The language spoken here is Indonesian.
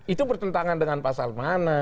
itu bertentangan dengan pasal mana